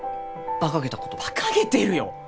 バカげてるよ！